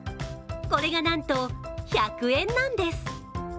これがなんと１００円なんです。